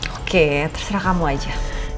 oke terserah kamu aja